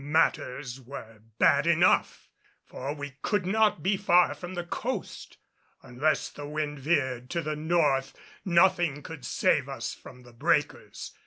Matters were bad enough, for we could not be far from the coast. Unless the wind veered to the north, nothing could save us from the breakers.